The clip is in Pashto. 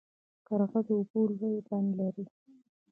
قرغه د اوبو لوی بند لري.